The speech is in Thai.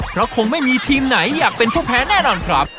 เพราะคงไม่มีทีมไหนอยากเป็นผู้แพ้แน่นอนครับ